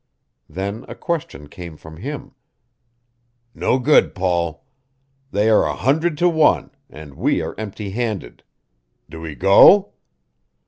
Then a question came from him: "No good, Paul. They are a hundred to one, and we are empty handed. Do we go?"